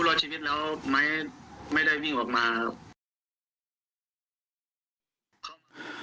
ผู้รอดชีวิตแล้วไม่ได้วิ่งออกมา